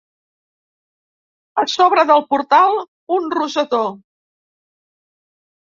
A sobre del portal, un rosetó.